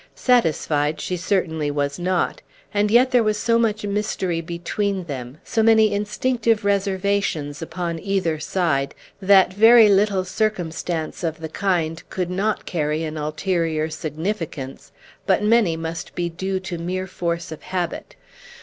Satisfied she certainly was not; and yet there was so much mystery between them, so many instinctive reservations upon either side, that very little circumstance of the kind could not carry an ulterior significance, but many must be due to mere force of habit.